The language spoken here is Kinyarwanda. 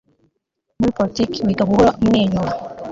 muri politiki wiga guhora umwenyura. - eliot spitzer